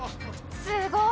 すごい！